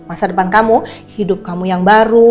masa depan kamu hidup kamu yang baru